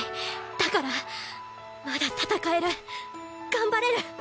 だからまだ戦える頑張れる